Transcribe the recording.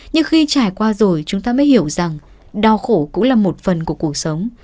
nhưng khi trải qua rồi chúng ta mới hiểu rằng đau khổ cũng là một phần của cuộc sống